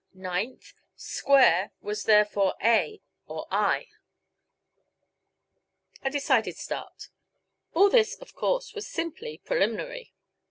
Ninth: [] was therefore a or i A decided start. All this, of course, was simply preliminary.